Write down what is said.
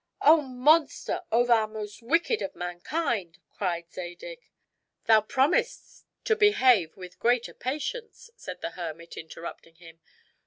"O monster! O thou most wicked of mankind!" cried Zadig. "Thou promisedst to behave with greater patience," said the hermit, interrupting him.